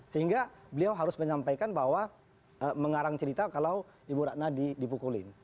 sehingga beliau harus menyampaikan bahwa mengarang cerita kalau ibu ratna dipukulin